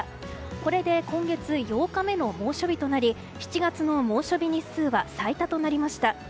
これで今月８日目の猛暑日となり７月の猛暑日日数は最多となりました。